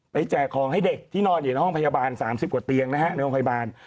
แจกของให้เด็กที่นอนอยู่ในห้องพยาบาล๓๐กว่าเตียงนะฮะในโรงพยาบาล